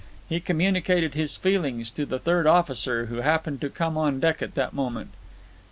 He communicated his feelings to the third officer, who happened to come on deck at that moment.